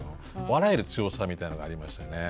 笑える強さみたいなのがありましたね。